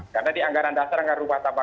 karena di anggaran dasar nggak berubah sama